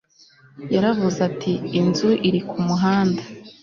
yaravuze ati “ inzu iri ku muhanda